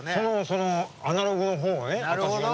そのアナログの方をね私がね。